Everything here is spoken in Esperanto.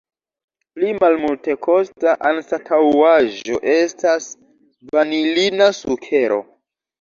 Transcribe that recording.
Pli malmultekosta anstataŭaĵo estas vanilina sukero.